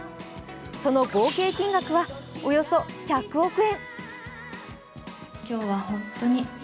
その合計金額は、およそ１００億円